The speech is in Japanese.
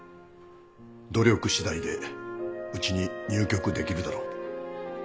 努力次第でうちに入局できるだろう